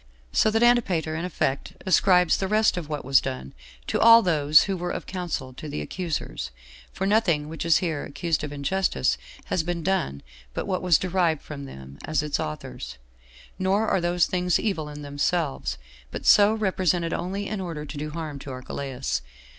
So that Antipater in effect ascribes the rest of what was done to all those who were of counsel to the accusers; for nothing which is here accused of injustice has been done but what was derived from them as its authors; nor are those things evil in themselves, but so represented only in order to do harm to Archelaus.